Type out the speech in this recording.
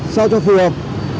sao cho phù hợp